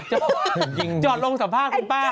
จอดลงสัมภาษณ์คุณป้า